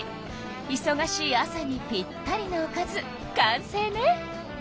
いそがしい朝にぴったりのおかず完成ね！